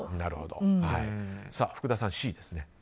福田さん、Ｃですね。